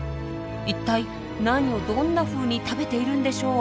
一体何をどんなふうに食べているんでしょう？